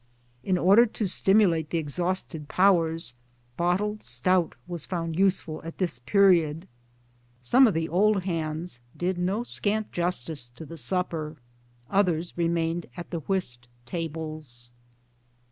In order to stimulate the exhausted powers, bottled stout was found useful at this period. Some of the old hands did no scant justice to the supper ; others remained at the whist tables.